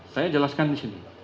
saya jelaskan di sini